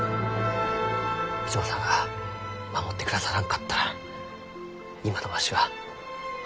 逸馬さんが守ってくださらんかったら今のわしはありません。